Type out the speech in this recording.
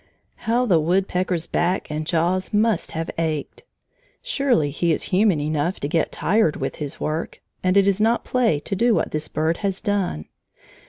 How the woodpecker's back and jaws must have ached! Surely he is human enough to get tired with his work, and it is not play to do what this bird has done.